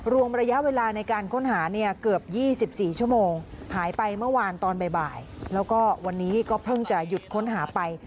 รวมระยะเวลาในการค้นหาเนี่ยเกือบ๒๔ชั่วโมงหายไปเมื่อวานตอนบ่ายแล้วก็วันนี้ก็เพิ่งจะหยุดค้นหาไป